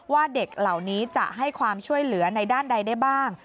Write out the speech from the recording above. เด็กเหล่านี้จะให้ความช่วยเหลือในด้านใดได้บ้าง